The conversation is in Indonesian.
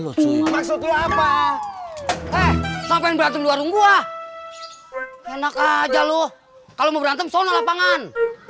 loh cuy maksudnya apa eh sampai berantem luar gua enak aja loh kalau mau berantem sono lapangan